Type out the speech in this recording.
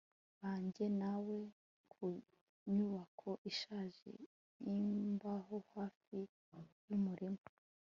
bajyanye na we ku nyubako ishaje yimbaho hafi yumurima